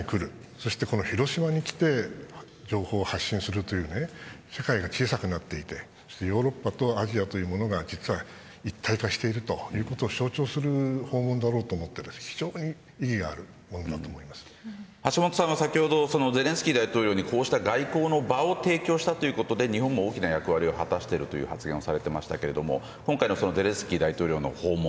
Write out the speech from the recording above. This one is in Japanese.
そして広島に来て情報を発信するという世界が小さくなっていてヨーロッパとアジアというものが実は一体化してるということを象徴する訪問だと思って非常に意義があるものだと橋下さんは、先ほどゼレンスキー大統領にこうした外交の場を提供したということで日本も大きな役割を果たしていると発言しましたがゼレンスキー大統領の訪問。